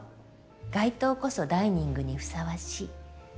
街灯こそダイニングにふさわしい。